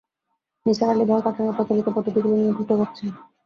নিসার আলি ভয় কাটানোর প্রচলিত পদ্ধতিগুলি নিয়ে দ্রুত ভাবছেন।